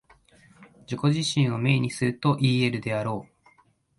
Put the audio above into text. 自己自身を明にするといい得るであろう。